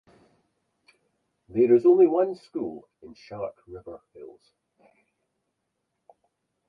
There is only one school in Shark River Hills.